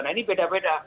nah ini beda beda